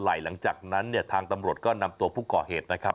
หลังจากนั้นเนี่ยทางตำรวจก็นำตัวผู้ก่อเหตุนะครับ